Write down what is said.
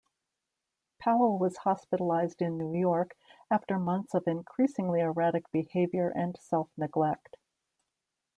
Powell was hospitalized in New York after months of increasingly erratic behavior and self-neglect.